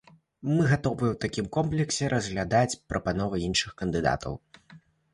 Мы гатовыя ў такім комплексе разглядаць прапановы іншых кандыдатаў.